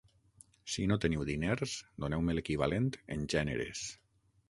Si no teniu diners, doneu-me l'equivalent en gèneres.